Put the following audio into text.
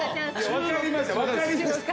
わかりました！